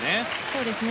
そうですね。